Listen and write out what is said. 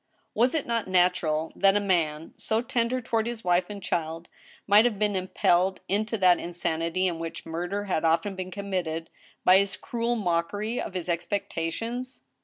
Was it not natural that a man, so tender toward his wife and child, might have been impelled into that insanity in which mur der had often been committed, by this cruel mockery of his expec ' tations